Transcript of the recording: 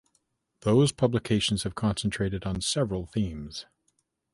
Those publications have concentrated on several themes.